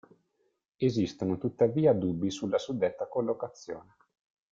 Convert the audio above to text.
Esistono tuttavia dubbi sulla suddetta collocazione.